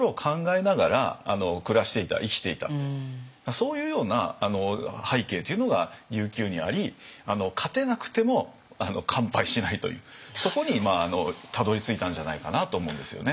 そういうような背景というのが琉球にあり勝てなくても完敗しないというそこにたどりついたんじゃないかなと思うんですよね。